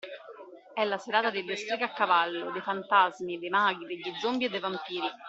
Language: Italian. È la serata delle streghe a cavallo, dei fantasmi, dei maghi, degli zombie e dei vampiri.